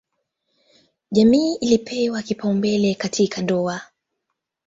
Jamii ilipewa kipaumbele katika ndoa.